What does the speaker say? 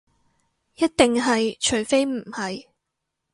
一定係，除非唔係